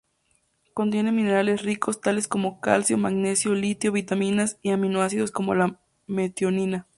Contiene minerales ricos, tales como calcio, magnesio, litio, vitaminas y aminoácidos como la metionina.